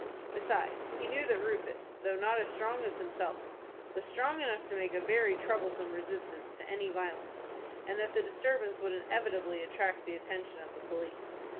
Besides, he knew that Rufus, though not as strong as himself, was strong enough to make a very troublesome resistance to any violence, and that the disturbance would inevitably attract the attention of the police.